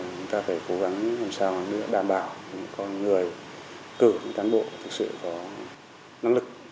chúng ta phải cố gắng làm sao đảm bảo con người cử những cán bộ thực sự có năng lực